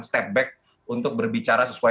step back untuk berbicara sesuai